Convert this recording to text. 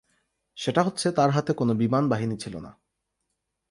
সেটা হচ্ছে তার হাতে কোনো বিমানবাহিনী ছিল না।